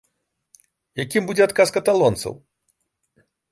Якім будзе адказ каталонцаў?